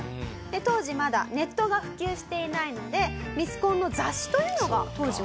当時まだネットが普及していないのでミスコンの雑誌というのが当時はあったらしいんですよ。